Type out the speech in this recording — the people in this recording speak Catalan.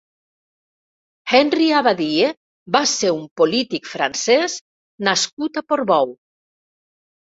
Henri Abbadie va ser un polític francès nascut a Portbou.